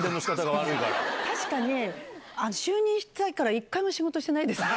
確かに、就任してから一回も仕事してないですね。